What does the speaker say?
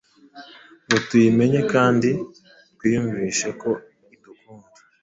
ngo tuyimenye kandi twiyumvishe ko idukunda.